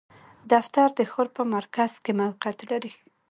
دفتر د ښار په مرکز کې موقعیت لری